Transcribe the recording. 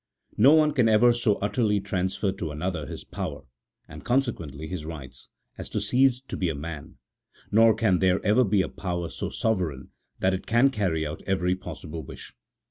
No one can ever so utterly transfer to another his power and, consequently, his rights, as to cease to "be a man ; nor can there ever be a power so sovereign that it can carry out every possible wish.